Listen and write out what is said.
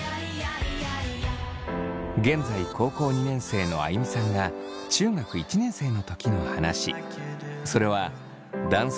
現在高校２年生のあいみさんが中学１年生の時の話。